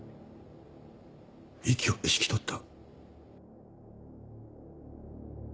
息を引き取った。